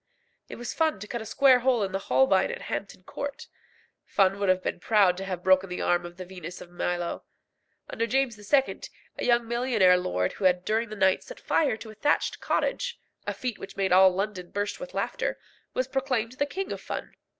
It was fun to cut a square hole in the Holbein at Hampton Court. Fun would have been proud to have broken the arm of the Venus of Milo. Under James II. a young millionaire lord who had during the night set fire to a thatched cottage a feat which made all London burst with laughter was proclaimed the King of Fun.